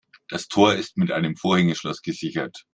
Das Tor ist mit einem Vorhängeschloss gesichert.